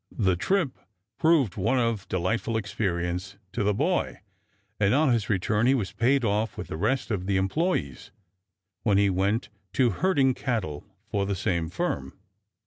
The trip proved one of delightful experience to the boy, and on his return he was paid off with the rest of the employes, when he went to herding cattle for the same firm.